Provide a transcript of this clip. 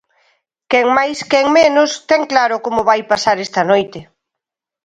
Quen máis quen menos ten claro como vai pasar esta noite...